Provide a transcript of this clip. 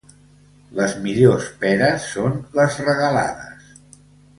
Les millors peres són les regalades.